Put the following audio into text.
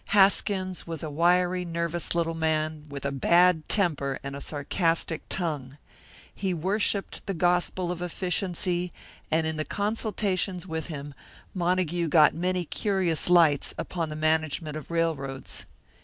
Haskins was a wiry, nervous little man, with a bad temper and a sarcastic tongue; he worshipped the gospel of efficiency, and in the consultations with him Montague got many curious lights upon the management of railroads.